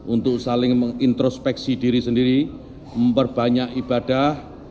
untuk saling mengintrospeksi diri sendiri memperbanyak ibadah